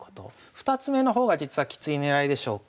２つ目の方が実はきつい狙いでしょうか。